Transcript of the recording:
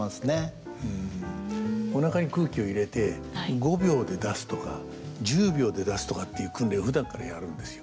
おなかに空気を入れて５秒で出すとか１０秒で出すとかっていう訓練をふだんからやるんですよ。